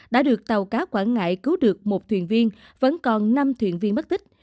đã được tàu cá quảng ngãi cứu được một thuyền viên vẫn còn năm thuyền viên mất tích